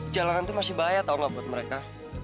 jalanan tuh masih bahaya tau ga buat mereka